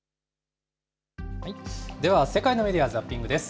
では世界のメディア・ザッピングです。